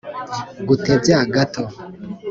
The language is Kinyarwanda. gutebya gato